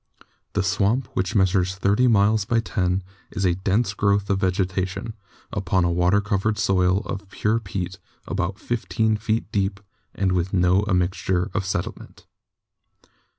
The swamp, which measures thirty miles by ten, is a 152 GEOLOGY dense growth of vegetation upon a water covered soil of pure peat about fifteen feet deep, and with no admixture of sediment.